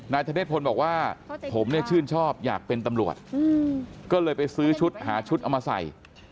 ธเนธพลบอกว่าผมเนี่ยชื่นชอบอยากเป็นตำรวจก็เลยไปซื้อชุดหาชุดเอามาใส่